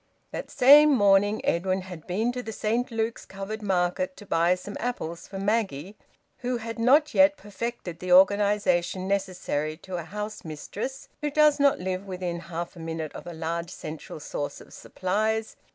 That same morning Edwin had been to the Saint Luke's Covered Market to buy some apples for Maggie, who had not yet perfected the organisation necessary to a house mistress who does not live within half a minute of a large central source of supplies.